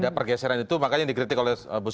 ada pergeseran itu makanya dikritik oleh